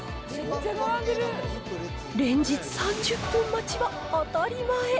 連日３０分待ちは当たり前。